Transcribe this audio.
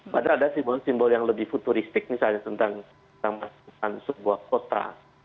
padahal ada simbol simbol yang lebih futuristik misalnya tentang kita masukkan sebuah kota